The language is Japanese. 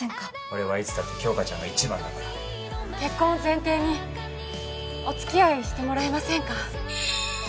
俺はいつだって杏花ちゃんが一番なんだ結婚を前提におつきあいしてもらえませんか？